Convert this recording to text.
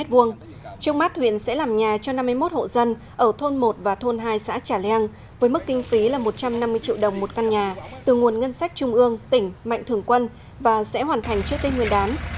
trước mắt huyện sẽ làm nhà cho năm mươi một hộ dân ở thôn một và thôn hai xã trà leng với mức kinh phí là một trăm năm mươi triệu đồng một căn nhà từ nguồn ngân sách trung ương tỉnh mạnh thường quân và sẽ hoàn thành trước tên nguyên đán